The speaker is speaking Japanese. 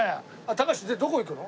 高橋でどこ行くの？